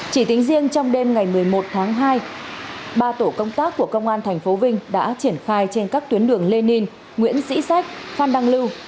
chỉ tính riêng trong đêm ngày một mươi một tháng hai ba tổ công tác của công an tp vinh đã triển khai trên các tuyến đường lê ninh nguyễn sĩ sách phan đăng lưu